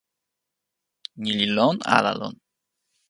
ni li lon ala lon?